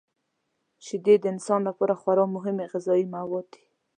شیدې د انسان لپاره خورا مهمې غذايي مواد دي.